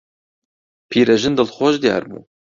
پیرەژن دڵخۆش دیار بوو.